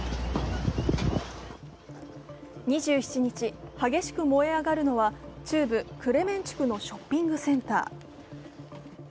２７日、激しく燃え上がるのは中部クレメンチュクのショッピングセンター。